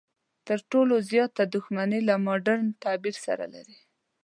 تر ټولو زیاته دښمني له مډرن تعبیر سره لري.